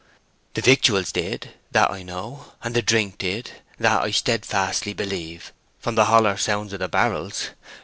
"The victuals did; that I know. And the drink did; that I steadfastly believe, from the holler sound of the barrels.